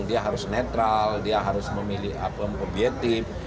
dia harus netral dia harus memilih objektif